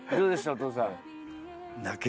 お父さん。